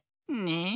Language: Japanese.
ねえ。